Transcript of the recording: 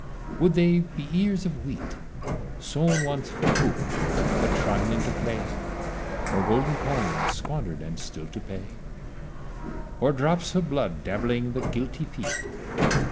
Would they be ears of wheat Sown once for food but trodden into clay? Or golden coins squander'd and still to pay? Or drops of blood dabbling the guilty feet?